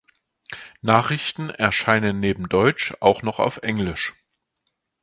Nachrichten erscheinen neben Deutsch auch noch auf Englisch.